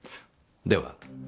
では。